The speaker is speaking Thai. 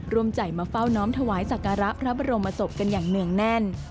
ร่วมใจมาเฝ้าน้อมถวายสักการะพระบรมศพกันอย่างเนื่องแน่น